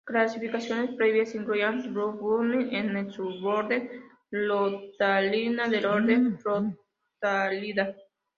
Clasificaciones previas incluían "Lugdunum" en el suborden Rotaliina del orden Rotaliida.